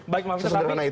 baik pak amir